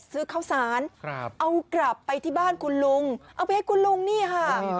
ซื้อข้าวสารเอากลับไปที่บ้านคุณลุงเอาไปให้คุณลุงนี่ค่ะ